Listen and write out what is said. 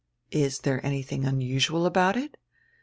"Is diere anything unusual about it?"